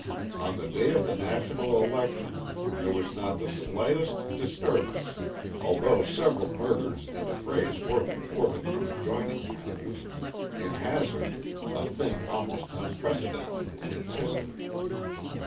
On the day of the national election there was not the slightest disturbance, although several murders and affrays were reported from adjoining counties, in Hazard, a thing almost unprecedented in its history.